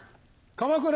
鎌倉